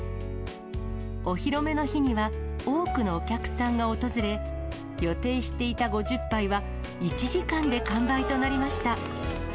お披露目の日には、多くのお客さんが訪れ、予定していた５０杯は１時間で完売となりました。